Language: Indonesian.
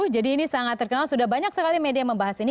jadi ini sangat terkenal sudah banyak sekali media membahas ini